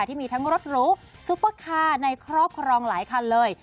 ที่มีทั้งรถหรูซุปเปอร์คาร์ในครอบครองหลายคันเลย